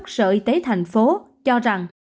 sở y tế thành phố cho rằng